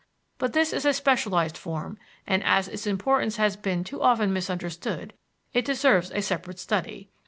But this is a specialized form, and, as its importance has been too often misunderstood, it deserves a separate study.